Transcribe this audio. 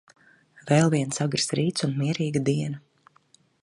Vēl viens agrs rīts un mierīga diena.